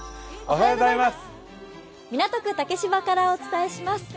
港区竹芝からお伝えします。